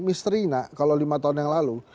misterina kalau lima tahun yang lalu